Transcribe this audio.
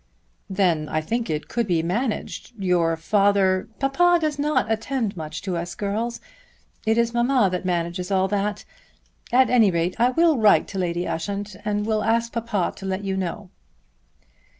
"Then I think it could be managed. Your father " "Papa does not attend much to us girls. It is mamma that manages all that. At any rate, I will write to Lady Ushant, and will ask papa to let you know."